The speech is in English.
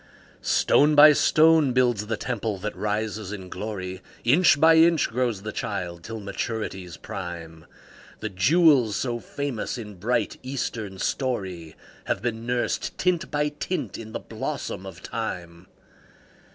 Stone by stone builds the temple that rises in glory, Inch by inch grows the child till maturity's prime; The jewels so famous in bright, Eastern story Have been nursed, tint by tint, in the blossom of Time.